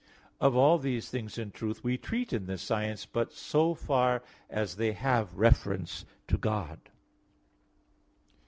Of all these things, in truth, we treat in this science, but so far as they have reference to God.